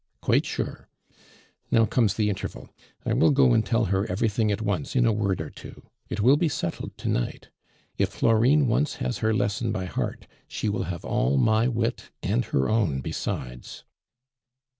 "Quite sure. Now comes the interval, I will go and tell her everything at once in a word or two; it will be settled to night. If Florine once has her lesson by heart, she will have all my wit and her own besides."